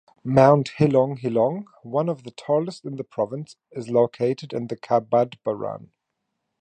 Mount Hilong-Hilong, one of the tallest in the province, is located in Cabadbaran.